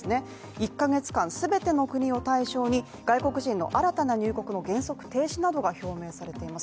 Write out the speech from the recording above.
１ヶ月間すべての国を対象に外国人の新たな入国を原則停止などが表明されています。